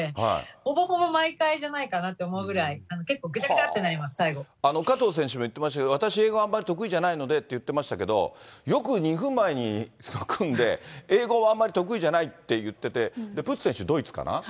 ほぼほぼ毎回じゃないかなって思うぐらい、結構ぐちゃぐちゃって加藤選手も言ってましたが、私、英語あんまり得意じゃないのでって言ってましたけど、よく２分前に組んで、英語もあまり得意じゃないって言ってて、プッツ選手、ドイツかな。